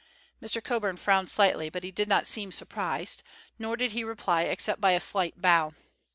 Mr. Coburn frowned slightly, but he did not seem surprised, nor did he reply except by a slight bow.